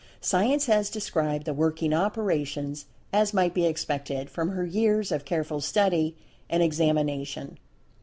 Science has described the "working operations," as might be expected from her years of careful study and examination.